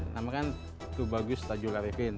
nama kan tubagus tajul arifin